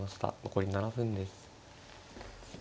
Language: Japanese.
残り７分です。